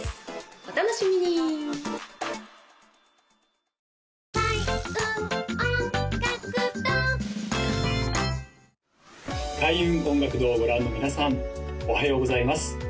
お楽しみに開運音楽堂をご覧の皆さんおはようございます吉田ひろきです